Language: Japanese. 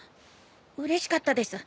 うれしかったです。